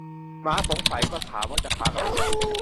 หมาสงสัยก็ถามว่าจะพากันไปไหน